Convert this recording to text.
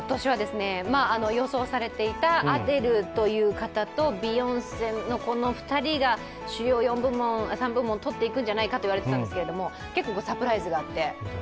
予想されていたアデルという方とビヨンセの２人が主要３部門をとっていくんじゃないかと言われていたんですけれども、結構サプライズがあって。